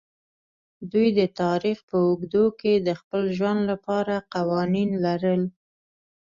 دوی د تاریخ په اوږدو کې د خپل ژوند لپاره قوانین لرل.